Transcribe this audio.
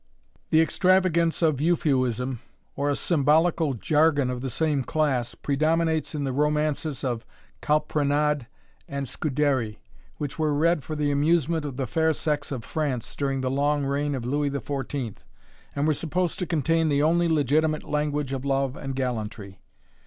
The extravagance of Euphuism, or a symbolical jargon of the same class, predominates in the romances of Calprenade and Scuderi, which were read for the amusement of the fair sex of France during the long reign of Louis XIV., and were supposed to contain the only legitimate language of love and gallantry.